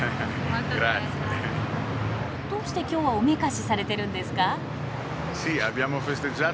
どうして今日はおめかしされてるんですか？